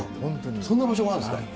そんな場所がああるんですよ。